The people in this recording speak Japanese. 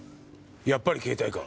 やっぱり携帯か。